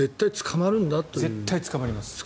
絶対に捕まります。